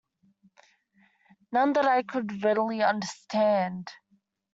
None that I could readily understand!